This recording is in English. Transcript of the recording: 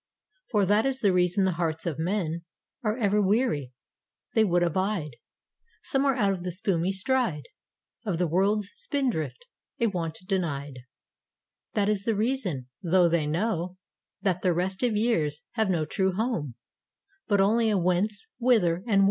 For that is the reason the hearts of men Are ever weary — they would abide Somewhere out of the spumy stride Of the world's spindrift — a want denied. That is the reason : tho they know That the restive years have no true home, But only a Whither, a Whence and When — Then, ... when the tide has turned again.